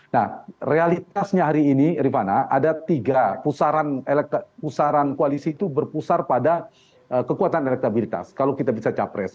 nah realitasnya hari ini rifana ada tiga pusaran koalisi itu berpusar pada kekuatan elektabilitas kalau kita bicara capres